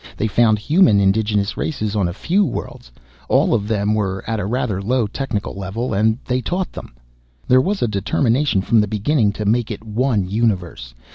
They found human indigenous races on a few worlds, all of them at a rather low technical level, and they taught them. "There was a determination from the beginning to make it one universe.